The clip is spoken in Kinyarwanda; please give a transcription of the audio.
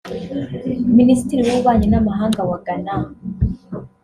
Minisitiri w’Ububanyi n’Amahanga wa Ghana